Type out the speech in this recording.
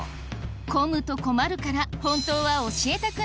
混むと困るから本当は教えたくない